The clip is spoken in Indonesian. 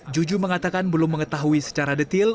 jujup mengatakan belum mengetahui secara detil